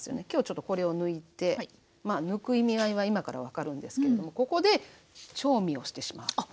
今日ちょっとこれを抜いて抜く意味合いは今から分かるんですけれどもここで調味をしてしまう。